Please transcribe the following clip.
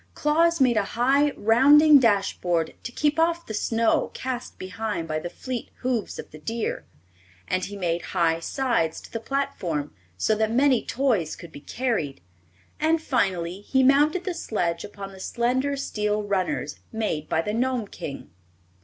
Claus made a high, rounding dash board to keep off the snow cast behind by the fleet hoofs of the deer; and he made high sides to the platform so that many toys could be carried, and finally he mounted the sledge upon the slender steel runners made by the Gnome King.